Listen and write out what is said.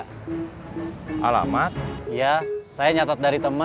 kalian biasanya mengagume